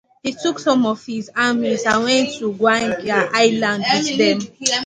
He took some of his armies and went to Ganghwa island with them.